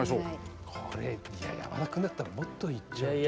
これ山田くんだったらもっといっちゃうんじゃ。